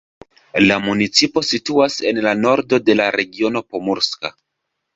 La municipo situas en la nordo de la regiono Pomurska.